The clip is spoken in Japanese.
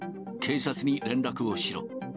警察に連絡をしろ。